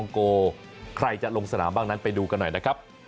ใครจะลงสนามบ้างนั้นไปดูกันหน่อยนะครับ